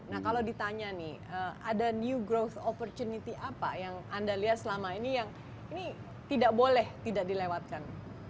nah kalau ditanya nih ada new growth opportunity apa yang anda lihat selama ini yang ini tidak boleh tidak dilewatkan